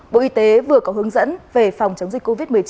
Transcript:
bộ y tế vừa có hướng dẫn về phòng chống dịch covid một mươi chín